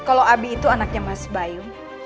kalau abi itu anaknya mas bayu